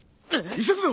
急ぐぞ！